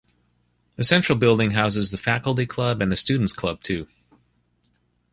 The central building houses the Faculty Club and the Students' Club, too.